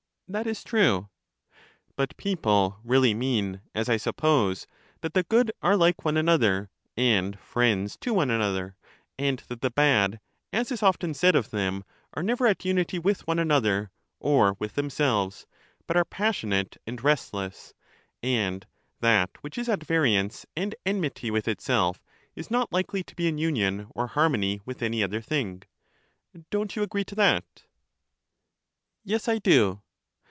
That is true. But people really mean, as I suppose, that the good are like one another, and friends to one another ; and that the bad, as is often said of them, are never at unity with one another or with themselves, but are passionate and restless : and that which is at variance and enmity with itself is not likely to be in union or harmony with any other thing. Don't you agree to that? Yes, I do.